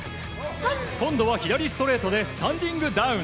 今度は左ストレートでスタンディングダウン。